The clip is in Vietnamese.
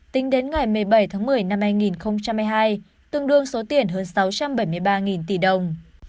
tính đến ngày một mươi bảy tháng một mươi năm hai nghìn hai mươi hai tương đương số tiền hơn sáu trăm bảy mươi ba tỷ đồng